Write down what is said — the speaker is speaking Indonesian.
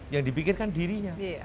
yang dibikinkan dirinya